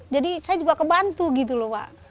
jadi saya juga kebantu gitu lho pak